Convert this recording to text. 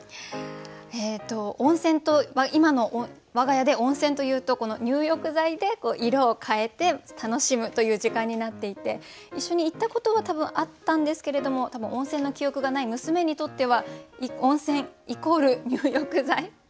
今の我が家で温泉というとこの入浴剤で色をかえて楽しむという時間になっていて一緒に行ったことは多分あったんですけれども多分温泉の記憶がない娘にとっては温泉イコール入浴剤。